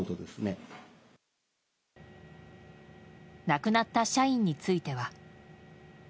亡くなった社員については。